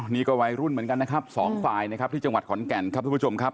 นี่ก็วัยรุ่นเหมือนกันนะครับสองฝ่ายนะครับที่จังหวัดขอนแก่นครับทุกผู้ชมครับ